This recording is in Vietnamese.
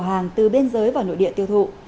hàng từ biên giới và nội địa tiêu thụ